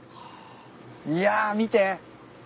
いや見て。